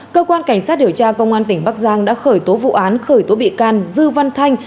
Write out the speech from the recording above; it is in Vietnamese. cơ quan cảnh sát điều tra công an tỉnh bắc giang đã khởi tố vụ án khởi tố bị can dư văn thanh